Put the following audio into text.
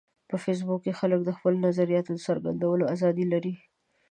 په فېسبوک کې خلک د خپلو نظریاتو د څرګندولو ازادي لري